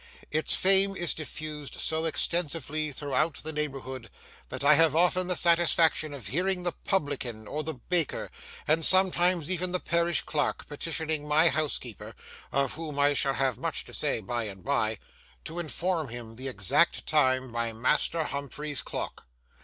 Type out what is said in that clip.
Its fame is diffused so extensively throughout the neighbourhood, that I have often the satisfaction of hearing the publican, or the baker, and sometimes even the parish clerk, petitioning my housekeeper (of whom I shall have much to say by and by) to inform him the exact time by Master Humphrey's clock.